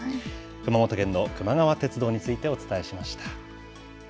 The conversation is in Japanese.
熊本県のくま川鉄道についてお伝えしました。